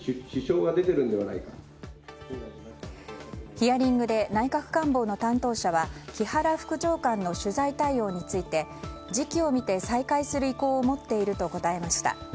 ヒアリングで内閣官房の担当者は木原副長官の取材対応について時期を見て再開する意向を持っていると答えました。